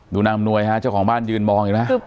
นางอำนวยฮะเจ้าของบ้านยืนมองเห็นไหม